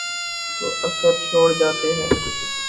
تو اثر چھوڑ جاتے ہیں۔